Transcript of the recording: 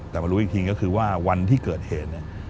แต่มารู้อีกทีก็คือว่าวันที่เกิดเหตุเนี่ย